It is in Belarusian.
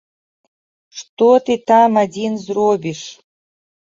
Што ты там адзін зробіш?